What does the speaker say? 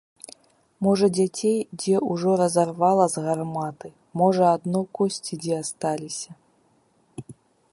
Можа дзяцей дзе ўжо разарвала з гарматы, можа адно косці дзе асталіся!